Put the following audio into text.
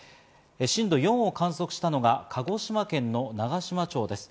震度４を観測したのが鹿児島県の長島町です。